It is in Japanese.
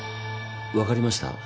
わかりました？